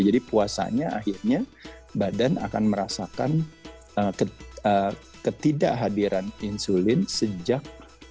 puasanya akhirnya badan akan merasakan ketidakhadiran insulin sejak